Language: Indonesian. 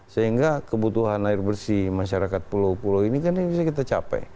sehingga kebutuhan air bersih masyarakat pulau pulau ini kan bisa kita capai